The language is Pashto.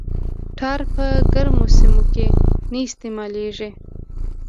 ټار په ګرمو سیمو کې نه استعمالیږي